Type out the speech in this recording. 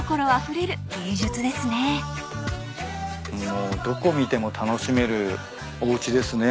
もうどこ見ても楽しめるおうちですね。